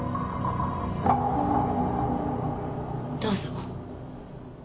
どうぞ。